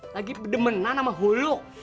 lagi demenan sama huluk